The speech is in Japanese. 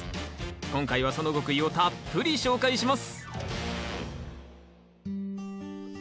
今回はその極意をたっぷり紹介します！